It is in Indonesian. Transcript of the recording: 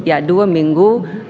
ya dua minggu